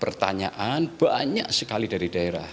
pertanyaan banyak sekali dari daerah